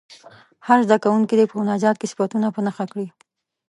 هر زده کوونکی دې په مناجات کې صفتونه په نښه کړي.